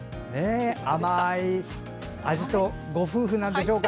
甘い味とご夫婦なんでしょうか。